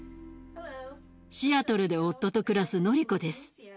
シアトルで夫と暮らすノリコです。